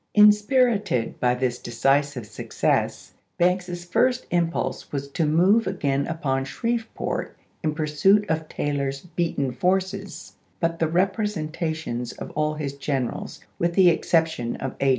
Inspirited by this decisive success, Banks's first impulse was to move again upon Shreveport in pursuit of Taylor's beaten forces. But the repre sentations of all his generals, with the exception of A.